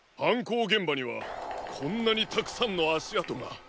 こうげんばにはこんなにたくさんのあしあとが。